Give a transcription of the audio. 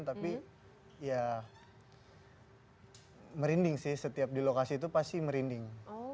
tapi ya merinding sih setiap di lokasi itu pasti merinding